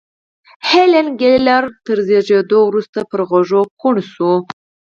هېلېن کېلر تر زېږېدو وروسته پر غوږو کڼه شوه